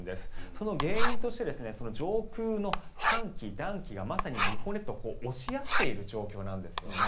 その原因として上空の寒気、暖気がまさに今、日本列島押し合っている状況なんですね。